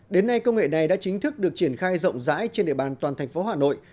đến nay công nghệ này đã chính thức được triển khai rộng rãi trên địa bàn toàn thành phố hà nội